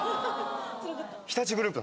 日立グループ？